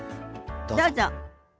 どうぞ。